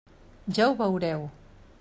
Ja ho veureu.